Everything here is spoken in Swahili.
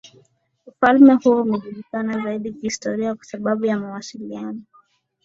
Ufalme huo umejulikana zaidi kihistoria kwa sababu ya mawasiliano